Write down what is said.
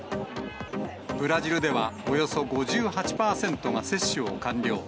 ブラジルではおよそ５８％が接種を完了。